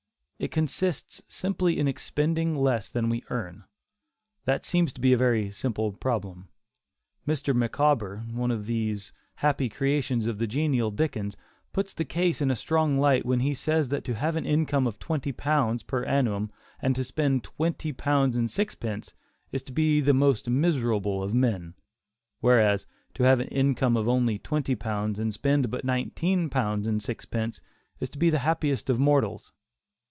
It consists simply in expending less than we earn; that seems to be a very simple problem. Mr. Micawber, one of those happy creations of the genial Dickens, puts the case in a strong light when he says that to have an income of twenty pounds, per annum, and spend twenty pounds and sixpence, is to be the most miserable of men; whereas, to have an income of only twenty pounds, and spend but nineteen pounds and sixpence, is to be the happiest of mortals.